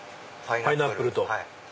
パイナップルと。